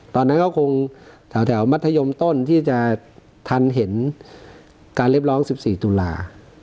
ตอนนั้นก็คงแถวมัธยมต้นที่จะทันเห็นการเรียกร้อง๑๔ตุลา